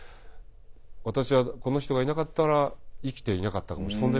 私はこの人がいなかったら生きていなかったかもしれない。